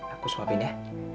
aku suapin ya